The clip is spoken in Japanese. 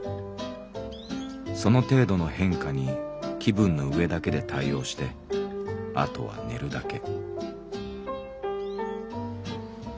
その程度の変化に気分の上だけで対応してあとは寝るだけ」。